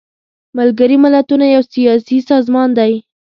ملګري ملتونه یو سیاسي سازمان دی.